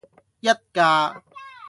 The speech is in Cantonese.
一架